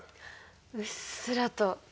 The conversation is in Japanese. うっすらと。